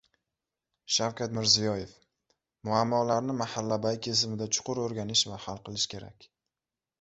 Shavkat Mirziyoyev: Muammolarni mahallabay kesimda chuqur o‘rganish va hal qilish kerak